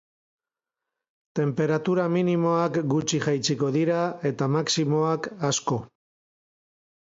Tenperatura minimoak gutxi jaitsiko dira, eta maximoak, asko.